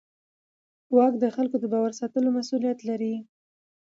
واک د خلکو د باور ساتلو مسؤلیت لري.